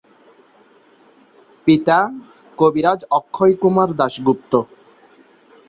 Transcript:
পিতা কবিরাজ অক্ষয়কুমার দাশগুপ্ত।